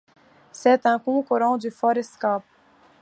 C'est un concurrent du Ford Escape.